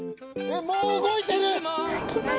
もう動いてる！